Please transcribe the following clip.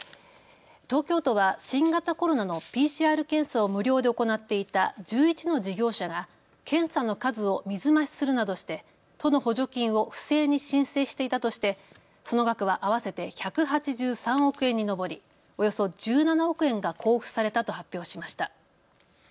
東京都は新型コロナのＰＣＲ検査を無料で行っていた１１の事業者が検査の数を水増しするなどして都の補助金を不正に申請していたとしてその額は合わせて１８３億円に上り、およそ１７億円が交付されたと発表しました。